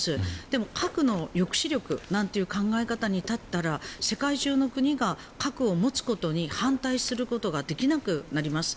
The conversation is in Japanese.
でも、核の抑止力なんていう考え方に至ったら世界中の国が核を持つことに反対することができなくなります。